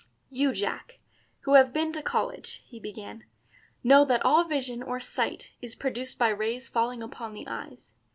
"You, Jack, who have been to college," he began, "know that all vision or sight is produced by rays falling upon the eyes.